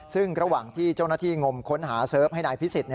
ซึ่งระหว่างที่เจ้าหน้าที่งมค้นหาเสิร์ฟให้นายพิสิทธิ